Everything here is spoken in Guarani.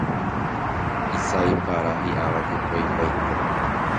isái para, hi'áva jepoipaite